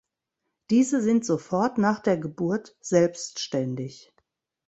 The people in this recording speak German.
Diese sind sofort nach der Geburt selbständig.